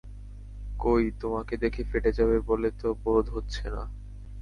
কই, তোমাকে দেখে ফেটে যাবে বলে তো বোধ হচ্ছে না।